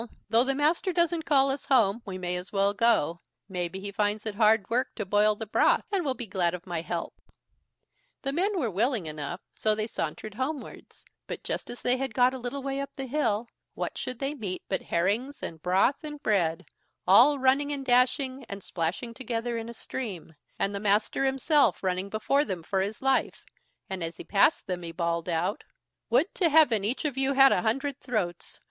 though the master doesn't call us home, we may as well go. Maybe he finds it hard work to boil the broth, and will be glad of my help." The men were willing enough, so they sauntered homewards; but just as they had got a little way up the hill, what should they meet but herrings, and broth, and bread, all running and dashing, and splashing together in a stream, and the master himself running before them for his life, and as he passed them he bawled out: "Would to heaven each of you had a hundred throats!